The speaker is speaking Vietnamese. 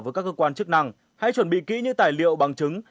với các cơ quan chức năng hãy chuẩn bị kỹ những tài liệu bằng chứng